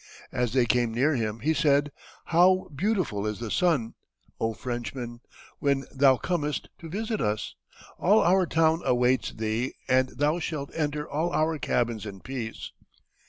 As they came near him, he said: "How beautiful is the sun, O Frenchmen, when thou comest to visit us. All our town awaits thee, and thou shalt enter all our cabins in peace."